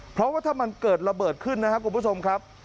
เพราะว่าถ้ามันเกิดระเบิดขึ้นนะครับคุณผู้ชมครับ